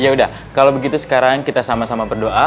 ya udah kalau begitu sekarang kita sama sama berdoa